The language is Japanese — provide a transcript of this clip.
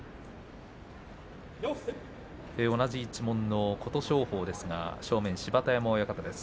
同じ一門の琴勝峰ですが正面芝田山親方です。